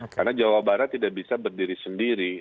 karena jawa barat tidak bisa berdiri sendiri